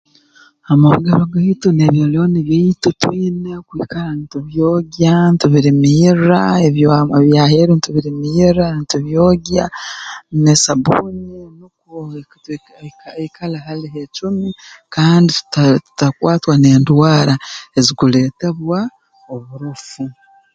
Amoogero gaitu n'ebyolooni byaitu twine kwikara ntubyogya ntubirimirra ebya eby'aheeru ntubirimirra ntubyogya n'esabbuuni nukwo twi hai haikale hali heecumi kandi tuta tutakwatwa n'endwara ezikuleetebwa oburofu